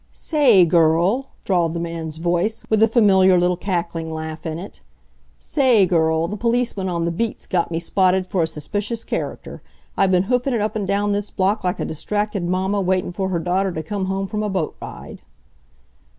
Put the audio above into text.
"Sa a ay, girl," drawled the man's voice, with a familiar little cackling laugh in it, "sa a ay, girl, the policeman on th' beat's got me spotted for a suspicious character. I been hoofin' it up an' down this block like a distracted mamma waitin' for her daughter t' come home from a boat ride."